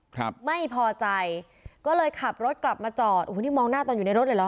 ครับไม่พอใจก็เลยขับรถกลับมาจอดโอ้โหนี่มองหน้าตอนอยู่ในรถเลยเหรอ